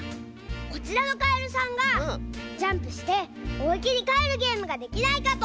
こちらのかえるさんがジャンプしておいけにかえるゲームができないかと！